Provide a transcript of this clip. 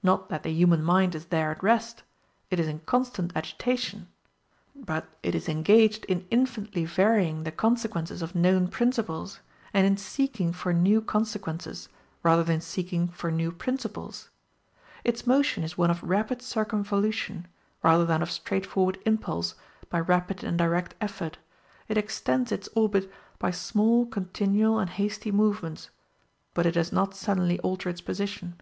Not that the human mind is there at rest it is in constant agitation; but it is engaged in infinitely varying the consequences of known principles, and in seeking for new consequences, rather than in seeking for new principles. Its motion is one of rapid circumvolution, rather than of straightforward impulse by rapid and direct effort; it extends its orbit by small continual and hasty movements, but it does not suddenly alter its position.